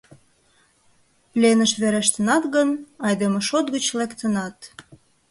Пленыш верештынат гын, айдеме шот гыч лектынат.